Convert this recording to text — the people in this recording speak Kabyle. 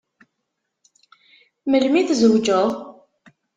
Melmi tzewǧeḍ?